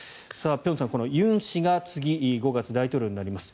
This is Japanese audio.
辺さん、尹氏が次、５月大統領になります。